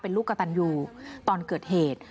เป็นลูกกระตันยูตอนเกิดเหตุ